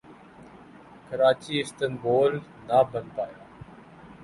Karachi Istanbul نہ بن پایا